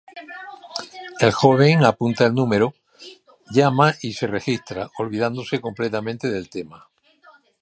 El joven apunta el número, llama y se registra, olvidándose completamente del tema.